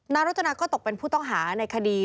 รจนาก็ตกเป็นผู้ต้องหาในคดี